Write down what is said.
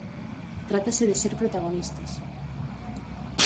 Trátase de ser protagonistas.